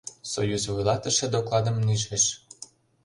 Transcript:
Союз вуйлатыше докладым «нӱжеш»: